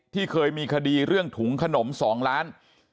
เคยมีคดีเรื่องถุงขนม๒ล้าน